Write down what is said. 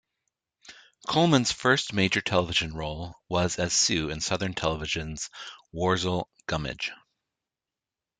Coleman's first major television role was as Sue in Southern Television's "Worzel Gummidge".